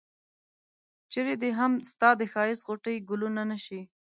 چرې دي هم ستا د ښایست غوټۍ ګلونه نه شي.